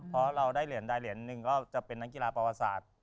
เพราะเราได้เหรียญใดเหรียญหนึ่งก็จะเป็นนักกีฬาประวัติศาสตร์